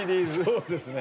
そうですね。